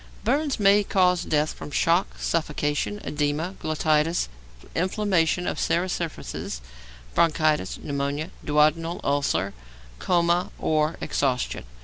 Burns may cause death from shock, suffocation, oedema glottidis, inflammation of serous surfaces, bronchitis, pneumonia, duodenal ulcer, coma, or exhaustion.